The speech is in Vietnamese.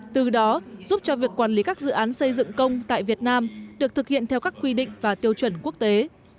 từ đó giúp cho việc quản lý các dự án xây dựng công tại việt nam được thực hiện theo các quy định và tiêu chuẩn quốc tế